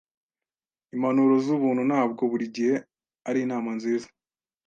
Impanuro z'ubuntu ntabwo buri gihe ari inama nziza.